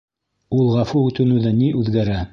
Ул ғәфү үтенеүҙән ни үҙгәрә?